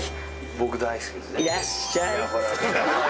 僕大好きです。